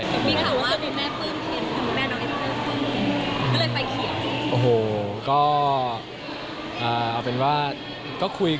จะไปเขียน